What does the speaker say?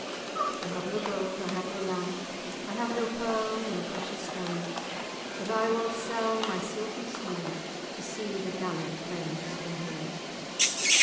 I have no gold, I have no land, I have no pearl nor precious stane; But I wald sell my silken snood, To see the gallant Grahams come hame.